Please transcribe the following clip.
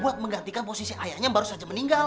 buat menggantikan posisi ayahnya yang baru saja meninggal